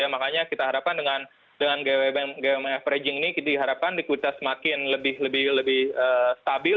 makanya kita harapkan dengan averaging ini diharapkan likuiditas semakin lebih stabil